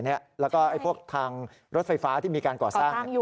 แล้วก็พวกทางรถไฟฟ้าที่มีการก่อสร้างอยู่